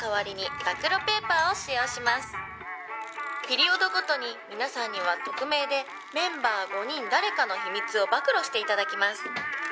「ピリオドごとに皆さんには匿名でメンバー５人誰かの秘密を暴露して頂きます」